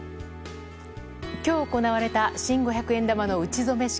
今日行われた新五百円玉の打ち初め式。